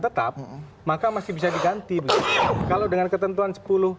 ada kandidat yang lain berhalangan tetap maka masih bisa diganti kalau dengan ketentuan sepuluh